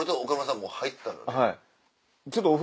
もう入ったので。